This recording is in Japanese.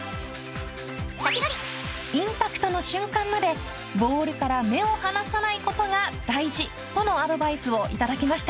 インパクトの瞬間までボールから目を離さないことが大事とのアドバイスをいただきました。